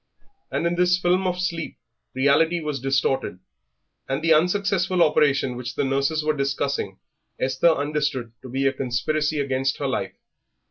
And in this film of sleep reality was distorted, and the unsuccessful operation which the nurses were discussing Esther understood to be a conspiracy against her life.